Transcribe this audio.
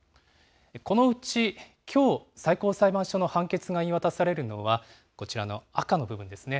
このうちきょう、最高裁判所の判決が言い渡されるのは、こちらの赤の部分ですね。